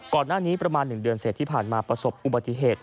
ก่อนหน้านี้ประมาณ๑เดือนเสร็จที่ผ่านมาประสบอุบัติเหตุ